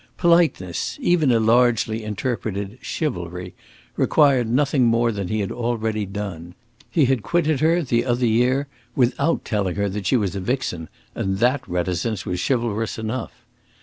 Politeness, even a largely interpreted "chivalry", required nothing more than he had already done; he had quitted her, the other year, without telling her that she was a vixen, and that reticence was chivalrous enough.